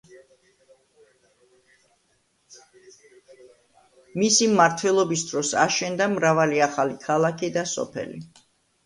მისი მმართველობის დროს აშენდა მრავალი ახალი ქალაქი და სოფელი.